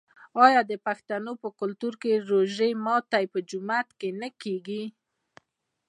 آیا د پښتنو په کلتور کې د روژې ماتی په جومات کې نه کیږي؟